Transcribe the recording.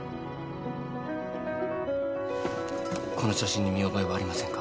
この写真に見覚えはありませんか？